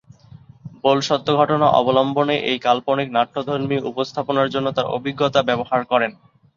বোল সত্য ঘটনা অবলম্বনে একটি কাল্পনিক নাট্যধর্মী উপস্থাপনার জন্য তার অভিজ্ঞতা ব্যবহার করেন।